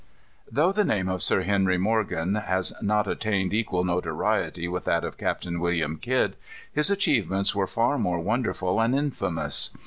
Though the name of Sir Henry Morgan has not attained equal notoriety with that of Captain William Kidd, his achievements were far more wonderful and infamous.